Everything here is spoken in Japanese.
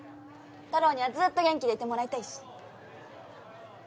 たろーにはずっと元気でいてもらいたいし。